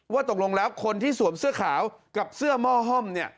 ว่าตกลงแล้วคนที่สวมเสื้อขาวกับเสื้อม่อห้อม